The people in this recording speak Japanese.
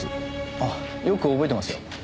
あっよく覚えてますよ。